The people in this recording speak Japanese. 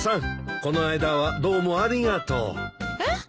この間はどうもありがとう。えっ？